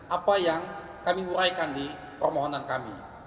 apa yang kami uraikan di permohonan kami